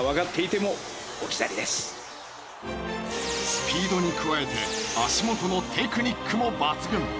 スピードに加えて足元のテクニックも抜群。